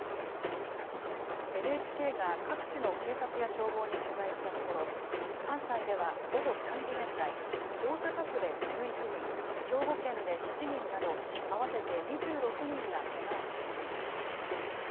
ＮＨＫが各地の警察や消防に取材したところ、関西では午後３時現在、大阪府で１１人、兵庫県で７人など合わせて２６人がけがをしています。